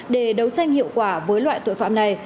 để đấu tranh hiệu quả với loại tội phạm này